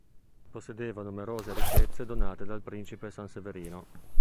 Possedeva numerose ricchezze donate dal Principe Sanseverino.